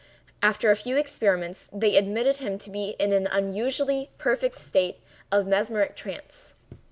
After a few experiments, they admitted him to be an unusually perfect state of mesmeric trance.